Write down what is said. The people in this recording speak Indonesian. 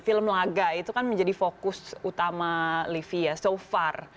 film laga itu kan menjadi fokus utama livi ya so far